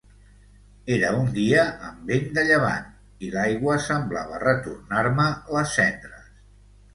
Era un dia amb vent de llevant i l'aigua semblava retornar-me les cendres.